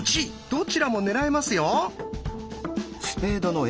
どちらも狙えますよ。